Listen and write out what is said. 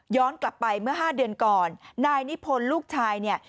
ย้อนกลับไปเมื่อห้าเดือนก่อนนายนิพลลูกชายเนี่ย